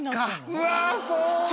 うわそうか！